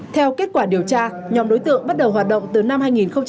theo kết quả điều tra nhóm đối tượng bắt đầu hoạt động từ năm hai nghìn một mươi ba